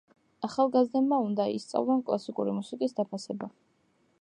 ახალგაზრდებმა უნდა ისწავლონ კლასიკური მუსიკის დაფასება.